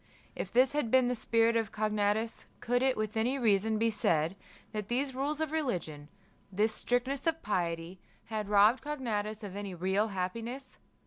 If this had been the spirit of Cognatus, could it with any reason be said, that these rules of religion, this strictness of piety, had robbed Cognatus of any real happiness?